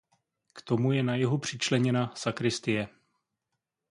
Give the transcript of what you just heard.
K tomu je na jihu přičleněna sakristie.